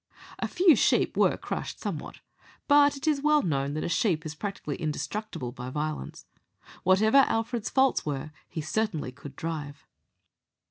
A few sheep were crushed somewhat, but it is well known that a sheep is practically indestructible by violence. Whatever Alfred's faults were, he certainly could drive.